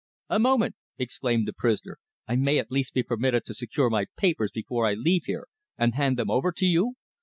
"A moment," exclaimed the prisoner. "I may at least be permitted to secure my papers before I leave here, and hand them over to you?